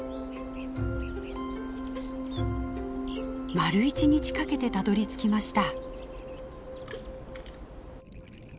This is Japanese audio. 丸一日かけてたどりつきました。